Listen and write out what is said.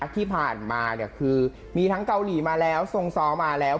ที่ผ่านมาคือมีทั้งเกาหลีมาแล้วทรงซ้อมมาแล้ว